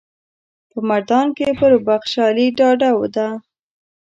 په مردان کې پر بخشالي ډاډه ده.